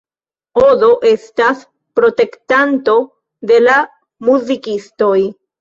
Odo estas protektanto de la muzikistoj.